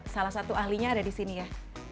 salah satu ahlinya ada di sini ya